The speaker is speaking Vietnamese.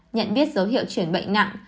nhận biết dấu hiệu chuyển bệnh nặng